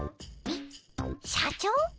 えっ社長？